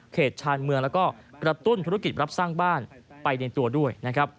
เทศชาญเมืองและกระตุ้นธุรกิจรับสร้างบ้านไปในตัวด้วย